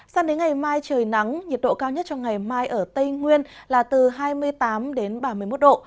sang đến ngày mai trời nắng nhiệt độ cao nhất trong ngày mai ở tây nguyên là từ hai mươi tám đến ba mươi một độ